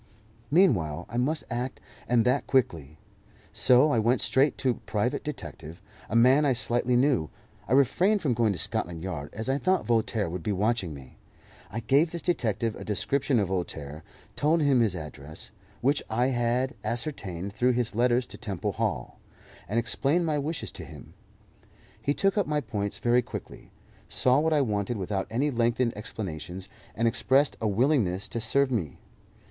Meanwhile I must act, and that quickly; so I went straight to a private detective, a man I slightly knew. I refrained from going to Scotland Yard, as I thought Voltaire would be watching me. I gave this detective a description of Voltaire, told him his address, which I had ascertained through his letters to Temple Hall, and explained my wishes to him. He took up my points very quickly, saw what I wanted without any lengthened explanations, and expressed a willingness to serve me.